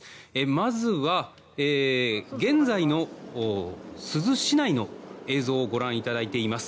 まずは現在の珠洲市内の映像をご覧いただいています。